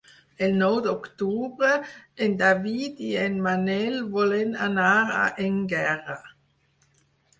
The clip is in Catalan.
El nou d'octubre en David i en Manel volen anar a Énguera.